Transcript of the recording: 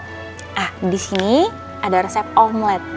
nah disini ada resep omelette